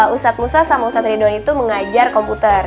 ustadz musa sama ustadz ridwan itu mengajar komputer